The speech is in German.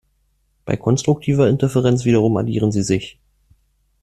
Bei konstruktiver Interferenz wiederum addieren sie sich.